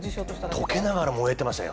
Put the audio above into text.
溶けながら燃えてましたよ。